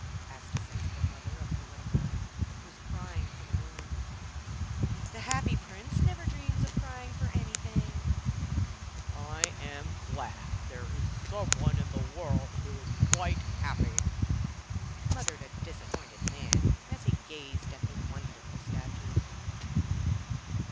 asked a sensible mother of her little boy who was crying for the moon. 'The Happy Prince never dreams of crying for anything.' 'I am glad there is some one in the world who is quite happy', muttered a disappointed man as he gazed at the wonderful statue.